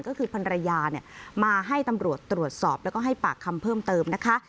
ก็คือพันรยามาให้ตำรวจตรวจสอบแล้วก็ให้ปากคำเพิ่มเติมนะคะ